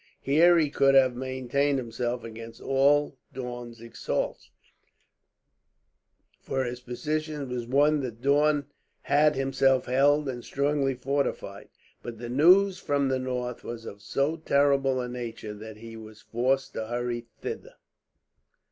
Here he could have maintained himself against all Daun's assaults, for his position was one that Daun had himself held and strongly fortified; but the news from the north was of so terrible a nature that he was forced to hurry thither.